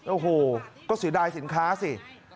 โอ้โฮก็สิรรายสินค้าสิ